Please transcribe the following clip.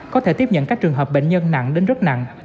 có thể tiếp nhận các trường hợp bệnh nhân nặng đến rất nặng